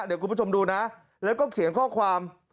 เดี๋ยวคุณผู้ชมดูนะแล้วก็เขียนข้อความ